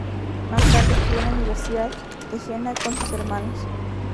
Más tarde estudió en la Universidad de Jena con sus hermanos.